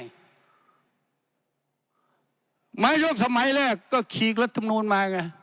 นายกสมัยแรกก็ขีกรัฐมนูลมาไง